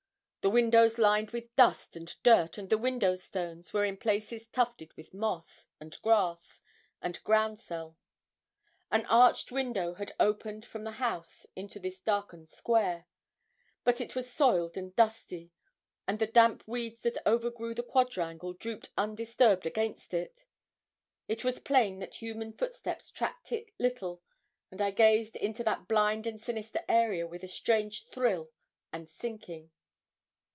The windows lined with dust and dirt, and the window stones were in places tufted with moss, and grass, and groundsel. An arched doorway had opened from the house into this darkened square, but it was soiled and dusty; and the damp weeds that overgrew the quadrangle drooped undisturbed against it. It was plain that human footsteps tracked it little, and I gazed into that blind and sinister area with a strange thrill and sinking.